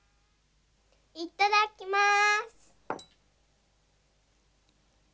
いただきます。